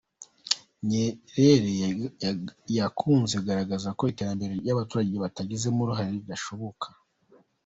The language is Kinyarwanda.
Nyerere yakunze kugaragaza ko iterambere abaturage batagizemo uruhare ridashoboka.